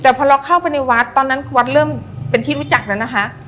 แต่พอเราเข้าไปในวัดตอนนั้นวัดเริ่มเป็นที่รู้จักแล้วนะคะ